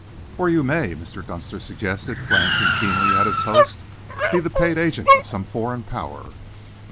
"Or you may," Mr. Dunster suggested, glancing keenly at his host, "be the paid agent of some foreign Power."